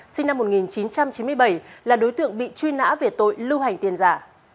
sinh năm một nghìn chín trăm chín mươi bảy là đối tượng bị truy nã về tội lưu hành tiền giả